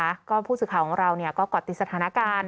เพื่อนผู้ศึกข่าวของเราก็กดตรีสถานการณ์